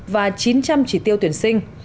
và chín trăm linh chỉ tiêu tuyển sinh